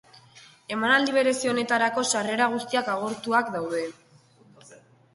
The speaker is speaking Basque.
Emanaldi berezi honetarako sarrera guztiak agortutak daude.